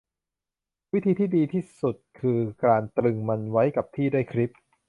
วิธีที่ดีที่สุดคือการตรึงมันไว้กับที่ด้วยคลิป